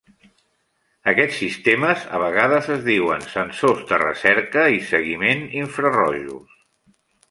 Aquest sistemes a vegades es diuen sensors de recerca i seguiment infrarojos.